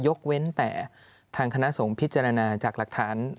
เว้นแต่ทางคณะสงฆ์พิจารณาจากหลักฐาน